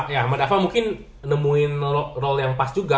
ya madaffa mungkin nemuin role yang pas juga